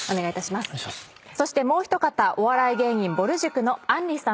もう一方お笑い芸人ぼる塾のあんりさんです。